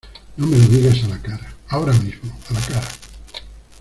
no me lo digas a la cara. ahora mismo, a la cara .